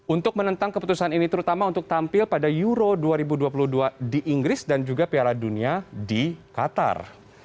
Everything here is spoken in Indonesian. untuk menentang keputusan ini terutama untuk tampil pada euro dua ribu dua puluh dua di inggris dan juga piala dunia di qatar